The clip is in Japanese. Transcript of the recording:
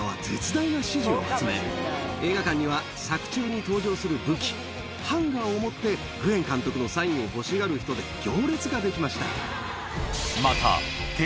映画館には作中に登場する武器ハンガーを持ってグエン監督のサインを欲しがる人で行列ができました。